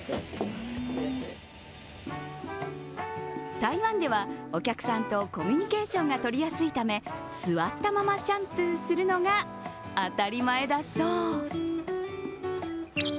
台湾では、お客さんとコミュニケーションが取りやすいため座ったままシャンプーするのが当たり前だそう。